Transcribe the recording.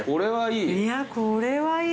いやこれはいい。